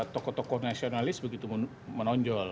tokoh tokoh nasionalis begitu menonjol